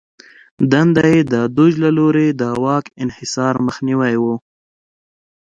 دنده یې د دوج له لوري د واک انحصار مخنیوی و